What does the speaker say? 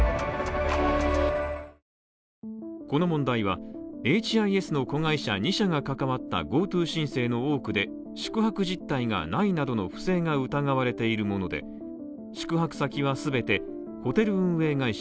この問題はエイチ・アイ・エスの子会社２社が関わったＧｏＴｏ申請の多くで宿泊実態がないなどの不正が疑われているもので、宿泊先は全てホテル運営会社